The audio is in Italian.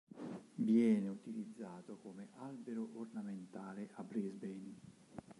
Viene utilizzato come albero ornamentale a Brisbane.